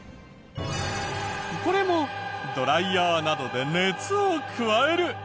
これもドライヤーなどで熱を加える。